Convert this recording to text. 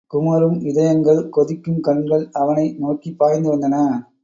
குமுறும் இதயங்கள், கொதிக்கும் கண்கள் அவனை நோக்கிப் பாய்ந்து வந்தன.